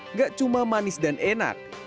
nggak cuma manis dan enak